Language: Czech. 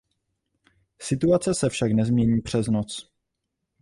Situace se však nezmění přes noc.